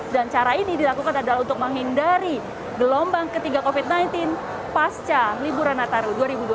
cara ini dilakukan adalah untuk menghindari gelombang ketiga covid sembilan belas pasca liburan nataru dua ribu dua puluh